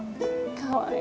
かわいい。